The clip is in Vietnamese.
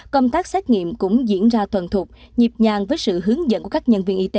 công tác xét nghiệm cũng diễn ra thuần thục nhịp nhàng với sự hướng dẫn của các nhân viên y tế